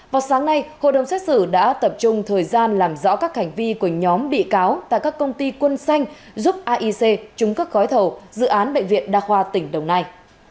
vào sáng nay hội đồng xét xử đã tập trung thời gian làm rõ các hành vi của nhóm bị cáo tại các công ty quân xanh giúp aic trúng các gói thầu dự án bệnh viện đa khoa tỉnh đồng nai